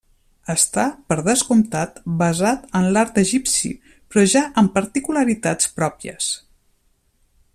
Està, per descomptat, basat en l'art egipci, però ja amb particularitats pròpies.